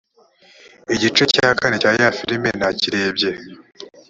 igice cya kane cya ya filime nakirebye